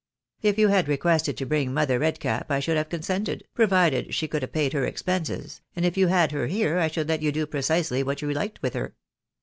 If you had requested to bring Mother Redcap I should have consented, provided she could have paid her expenses, and if you had her here, I should let you do precisely what you liked with her.